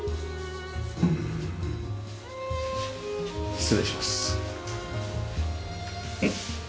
失礼します。